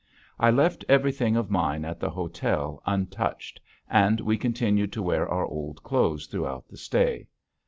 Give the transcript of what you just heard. I left everything of mine at the hotel untouched and we continued to wear our old clothes throughout the stay.